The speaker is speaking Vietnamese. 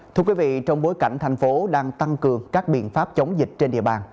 thưa quý vị trong bối cảnh thành phố đang tăng cường các biện pháp chống dịch trên địa bàn